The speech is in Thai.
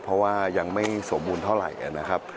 เพราะว่ายังไม่สมบูรณ์เท่าไหร่นะครับ